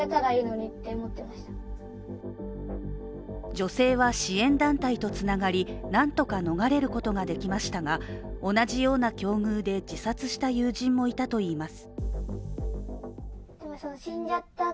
女性は支援団体とつながりなんとか逃れることができましたが同じような境遇で自殺した友人もいたといいます。